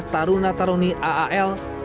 satu ratus sebelas tarunan taruni aal